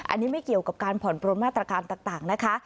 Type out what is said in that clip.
อันนี้ไม่เกี่ยวกับการผ่อนปลนมาตรการต่างนะคะ